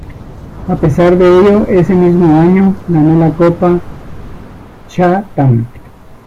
A pesar de ello, ese mismo año ganó la Copa Chatham.